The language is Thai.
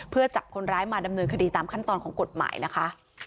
เพื่อจับคนร้ายมาดำเนินคดีตามขั้นตอนของกฎหมายนะคะ